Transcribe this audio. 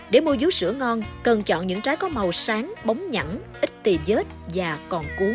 để mua vú sữa ngon cần chọn những trái có màu sáng bóng nhẳng ít tìm vết và còn cuốn